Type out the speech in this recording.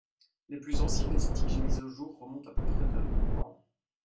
Les plus anciens vestiges mis au jour remontent à près de ans.